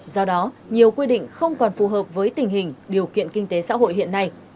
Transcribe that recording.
do đó nhiều quy định không còn phù hợp với tình hình điều kiện kinh tế xã hội hiện nay